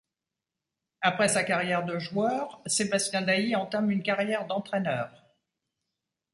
Après sa carrière de joueur, Sébastien Dailly entame une carrière d'entraîneur.